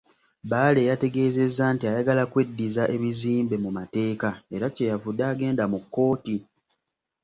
Bbaale yategeezezza nti ayagala okweddizza ebizimbe mu mateeka era kye yavudde agenda mu kkooti.